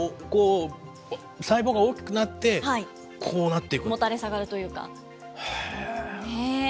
上が、細胞が大きくなって、こうなっていく。